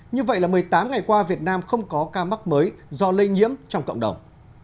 như vậy là một mươi tám ngày qua việt nam không có ca mắc mới do lây nhiễm trong cộng đồng